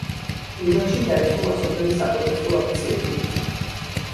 ლიბანში დაიწყო მასობრივი საპროტესტო აქციები.